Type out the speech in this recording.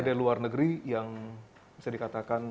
dari luar negeri yang bisa dikatakan